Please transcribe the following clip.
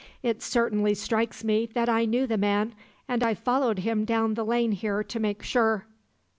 It certainly strikes me that I knew the man, and I followed him down the lane here to make sure.'